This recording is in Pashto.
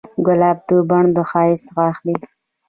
ګلاب د بڼ د ښایست غاښ دی.